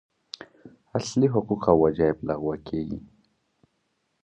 اصلي حقوق او وجایب لغوه کېږي.